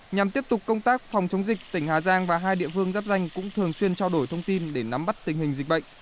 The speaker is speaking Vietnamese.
nhằm tiếp tục công tác phòng chống dịch tỉnh hà giang và hai địa phương giáp danh cũng thường xuyên trao đổi thông tin để nắm bắt tình hình dịch bệnh